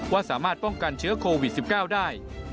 ว่าสามารถป้องกันเชื้อโควิด๑๙ได้